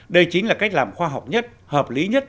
đây chính là cách làm khoa học nhất hợp lý nhất